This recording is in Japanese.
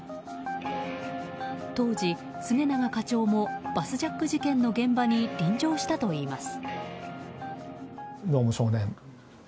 当時、助永課長もバスジャック事件の現場に臨場したといいます。